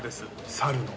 猿の。